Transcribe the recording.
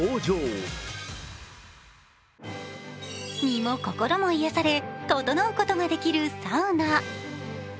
身も心も癒やされととのうことができるサウナ。